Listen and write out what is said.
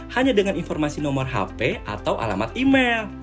hanya dengan informasi nomor hp atau alamat email